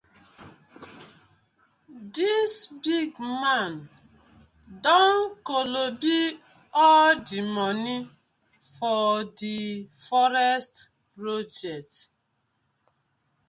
Dis big man don kolobi all di moni for di forest project.